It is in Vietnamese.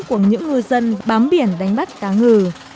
của những ngư dân bám biển đánh bắt cá ngừ